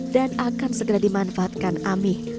dan akan segera dimanfaatkan amih